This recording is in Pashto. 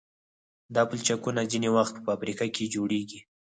دا پلچکونه ځینې وخت په فابریکه کې جوړیږي